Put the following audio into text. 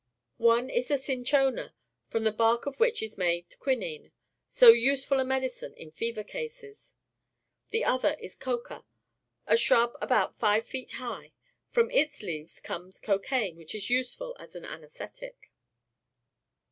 One is the ciiichona, from the bark of wliich is made q^uinine, so useful a medicine in SOUTH AMERICA 149 fever cases. The other is the cocar a shrub about five feet high. From its leaves comes cocaine ^ which is useful as an anaesthetic.